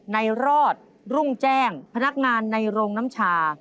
ในรอดรุ่งแจ้งพนักงานในโรงน้ำชา